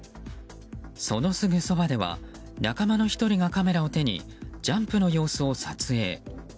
そのすぐそばでは仲間の１人がカメラを手にジャンプの様子を撮影。